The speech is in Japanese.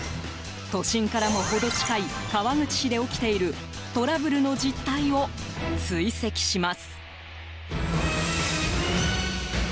都心からも程近い川口市で起きているトラブルの実態を追跡します。